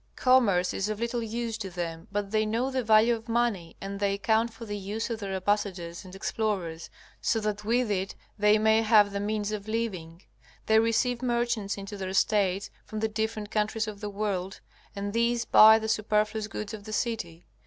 Commerce is of little use to them, but they know the value of money, and they count for the use of their ambassadors and explorers, so that with it they may have the means of living. They receive merchants into their States from the different countries of the world, and these buy the superfluous goods of the city.